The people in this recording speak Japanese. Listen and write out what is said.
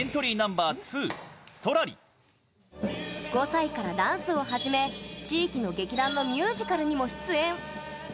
５歳からダンスを始め地域の劇団のミュージカルにも出演。